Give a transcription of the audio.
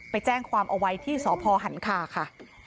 ไปแจ้งความเอาไว้ที่สพหันคาค่ะ